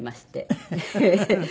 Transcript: フフフフ！